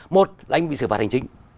một là anh bị xử phạt hành chính